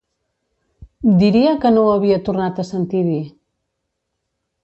Diria que no ho havia tornat a sentir dir.